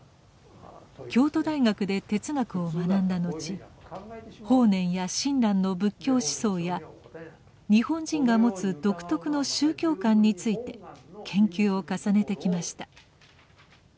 京都大学で哲学を学んだのち法然や親鸞の仏教思想や日本人が持つ独特の宗教観について研究を重ねてきました。